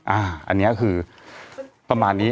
อันนี้คือประมาณนี้